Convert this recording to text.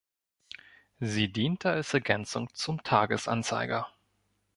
Sie diente als Ergänzung zum "Tages-Anzeiger".